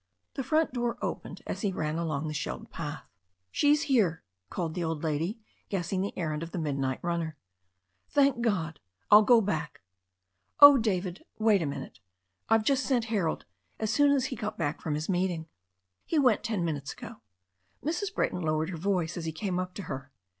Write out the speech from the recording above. The front door opened as he ran along the shelled path. "She's here," called the old lady, guessing the errand of the midnight runner. "Thank God ! I'll go right back " "Oh, David, wait a moment. I've just sent Harold— as soon as he got back from his meeting. He went ten minutes ago." Mrs. Brayton lowered her voice as he came up to her.